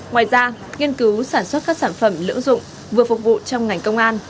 ngoài ra nghiên cứu sản xuất các sản phẩm lưỡng dụng vừa phục vụ trong ngành công an